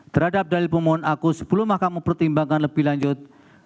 terhadap dalil pemohon aku sebelum mahkamah mempertimbangkan lebih lanjut